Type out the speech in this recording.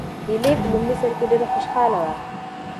ایلي په لومړي سر کې ډېره خوشحاله وه.